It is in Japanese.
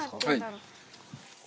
はい。